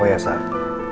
oh ya sayang